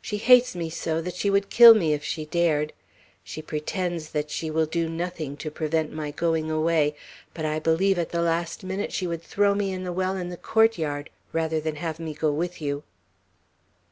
She hates me so that she would kill me if she dared. She pretends that she will do nothing to prevent my going away; but I believe at the last minute she would throw me in the well in the court yard, rather than have me go with you."